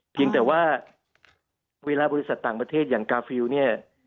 เพียงแต่ว่าเวลาบริษัทต่างประเทศอย่างกาฟิลเนี่ย